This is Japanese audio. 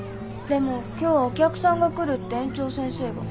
でも今日はお客さんが来るって園長先生が。